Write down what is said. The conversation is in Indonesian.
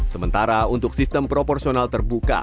sementara untuk sistem proporsional terbuka